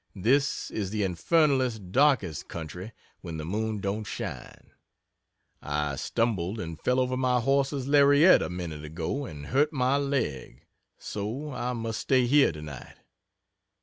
This is the infernalist darkest country, when the moon don't shine; I stumbled and fell over my horse's lariat a minute ago and hurt my leg, so I must stay here tonight.